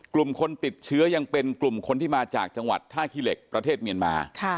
กลุ่มคนติดเชื้อยังเป็นกลุ่มคนที่มาจากจังหวัดท่าขี้เหล็กประเทศเมียนมา